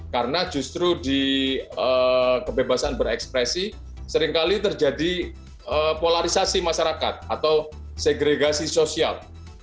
karena justru di kebebasan berekspresi seringkali terjadi polarisasi masyarakat atau segregasi sosial